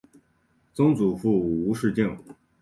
曾祖父吴仕敬。